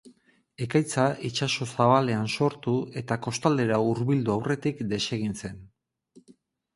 Ekaitza itsaso zabalean sortu eta kostaldera hurbildu aurretik desegin zen.